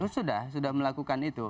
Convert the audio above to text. sudah sudah melakukan itu